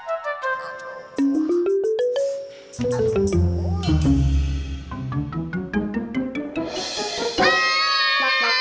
asal ini hantu jelek